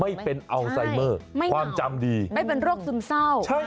ไม่เป็นอัลไซเมอร์ความจำดีไม่เป็นโรคซึมเศร้า